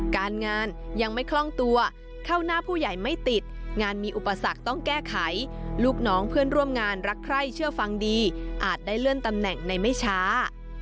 การงานยังไม่คล่องตัวเข้าหน้าผู้ใหญ่ไม่ติดงานมีอุปสรรคต้องแก้ไขลูกน้องเพื่อนร่วมงานรักใคร่เชื่อฟังดีอาจได้เลื่อนตำแหน่งในไม่ช้า